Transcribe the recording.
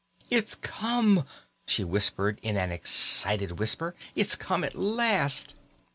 "It's come!" she exclaimed in an excited whisper. "It's come at last!"